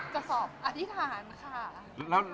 จะสอบอธิษฐานค่ะ